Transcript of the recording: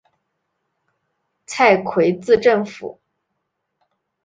蔡圭字正甫。